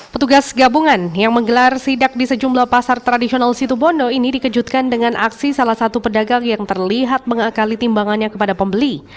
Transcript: petugas gabungan yang menggelar sidak di sejumlah pasar tradisional situbondo ini dikejutkan dengan aksi salah satu pedagang yang terlihat mengakali timbangannya kepada pembeli